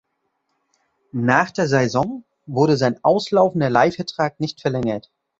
Nach der Saison wurde sein auslaufender Leihvertrag nicht verlängert.